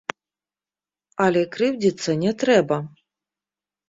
Але крыўдзіцца не трэба.